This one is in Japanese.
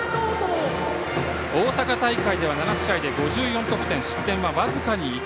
大阪大会では７試合で５４得点失点は僅かに１。